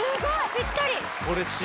ぴったり。